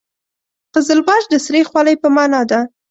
قزلباش د سرې خولۍ په معنا ده.